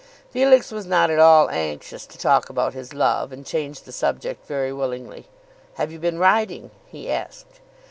Felix was not at all anxious to talk about his love, and changed the subject very willingly. "Have you been riding?" he asked.